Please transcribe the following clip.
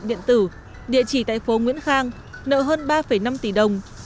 điện tử địa chỉ tại phố nguyễn khang nợ hơn ba năm tỷ đồng